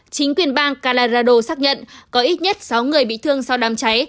chính quyền bang calarado xác nhận có ít nhất sáu người bị thương sau đám cháy